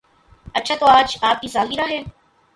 اچھا تو آج آپ کی سالگرہ ہے